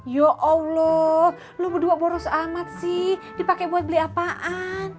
ya allah lo berdua boros amat sih dipakai buat beli apaan